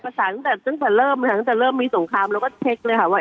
สารตั้งแต่ตั้งแต่เริ่มค่ะตั้งแต่เริ่มมีสงครามแล้วก็เช็คเลยค่ะว่า